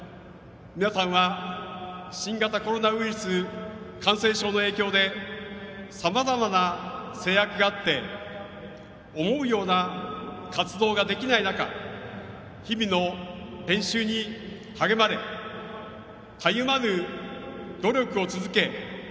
皆さんは新型コロナウイルス感染症の影響でさまざまな制約があって思うような活動ができない中、日々の練習に励まれたゆまぬ努力を続け